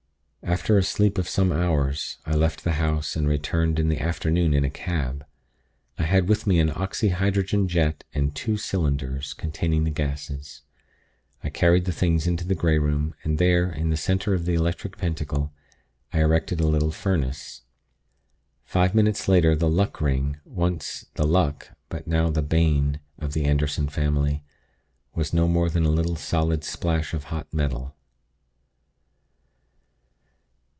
"After a sleep of some hours, I left the house. I returned in the afternoon in a cab. I had with me an oxy hydrogen jet, and two cylinders, containing the gases. I carried the things into the Grey Room, and there, in the center of the Electric Pentacle, I erected the little furnace. Five minutes later the Luck Ring, once the 'luck,' but now the 'bane,' of the Anderson family, was no more than a little solid splash of hot metal."